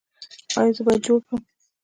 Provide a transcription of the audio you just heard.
ایا زه باید جوړ کړم؟